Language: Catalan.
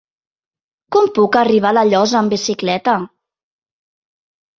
Com puc arribar a La Llosa amb bicicleta?